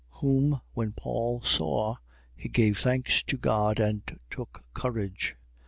Whom when Paul saw, he gave thanks to God and took courage.